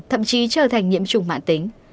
thậm chí trở thành nhiễm chủng mạng tính